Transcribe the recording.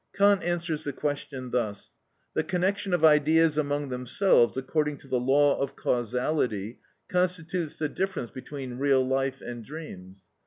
Kant answers the question thus: "The connection of ideas among themselves, according to the law of causality, constitutes the difference between real life and dreams."